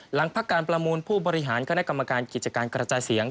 หลังภาคการประมูลผู้บริหารก็ได้กรรมการกิจการกระจาเสียง